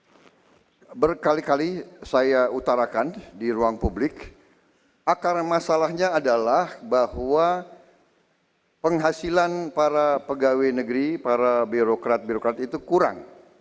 saya berkali kali saya utarakan di ruang publik akar masalahnya adalah bahwa penghasilan para pegawai negeri para birokrat birokrat itu kurang